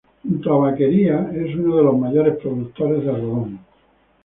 Junto a Vaquería es uno de los mayores productores de algodón.